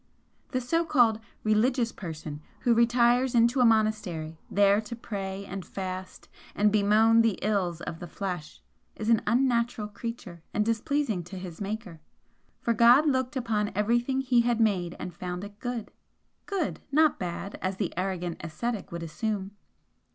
The so called 'religious' person who retires into a monastery, there to pray and fast and bemoan the ills of the flesh, is an unnatural creature and displeasing to his Maker. For God looked upon everything He had made and found it 'good.' Good not bad, as the arrogant ascetic would assume.